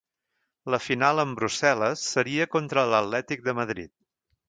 La final en Brussel·les seria contra l'atlètic de Madrid.